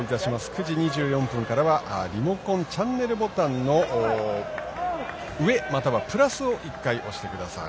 ９時２４分からはリモコンのチャンネルボタンの上またはプラスを１回押してください。